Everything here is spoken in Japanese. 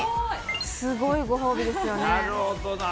すごいご褒美ですよね。